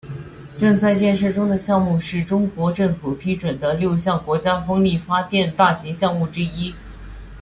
正在建设中的项目是中国政府批准的六项国家风力发电大型项目之一。